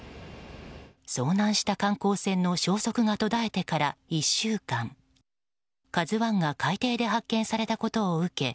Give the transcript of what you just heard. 遭難した観光船の消息が途絶えてから１週間「ＫＡＺＵ１」が海底で発見されたことを受け